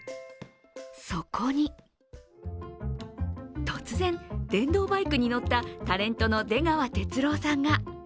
そこに突然、電動バイクに乗ったタレントの出川哲朗さんが。